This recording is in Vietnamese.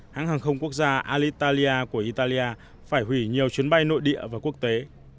hãng hàng không quốc gia alitaly của italia phải hủy nhiều chuyến bay nội địa và quốc tế